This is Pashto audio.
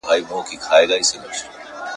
چي نه غضب د محتسب وي نه دُره د وحشت ..